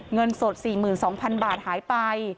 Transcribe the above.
เงินสด๔๒๐๐๐บาทหายไป